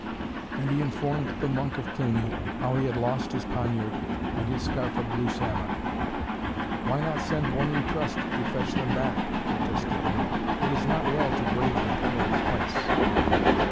And he informed the Monk of Cluny how he had lost his poniard and his scarf of blue Samite. "Why not send one you trust to fetch them back?" protested the monk. "It is not well to brave the peril twice."